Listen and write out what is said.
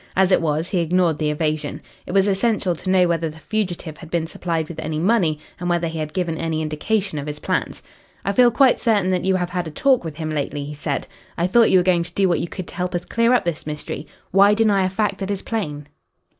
As it was, he ignored the evasion. It was essential to know whether the fugitive had been supplied with any money and whether he had given any indication of his plans. "I feel quite certain that you have had a talk with him lately," he said. "I thought you were going to do what you could to help us clear up this mystery. Why deny a fact that is plain?"